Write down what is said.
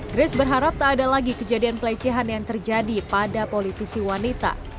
grace berharap tak ada lagi kejadian pelecehan yang terjadi pada politisi wanita